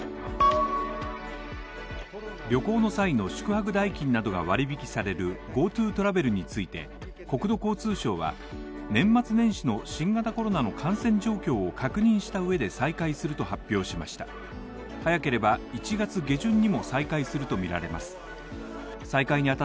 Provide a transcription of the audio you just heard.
旅行の際の宿泊代金などが割引されるＧｏＴｏトラベルについて、国土交通省は、年末年始の新型コロナの感染状況を確認した上で再開すると発表しました。